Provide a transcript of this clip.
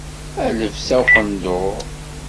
A lebsa n uqendur.